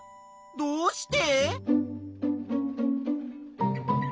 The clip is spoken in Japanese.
どうして？